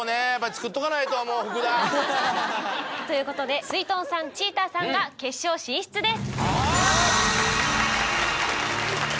つくっとかないと福田！ということですいとんさんちーたーさんが決勝進出です。